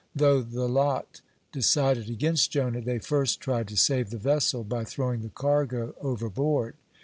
Though the lot decided against Jonah, they first tried to save the vessel by throwing the cargo overboard.